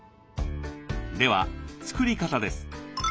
では作り方です。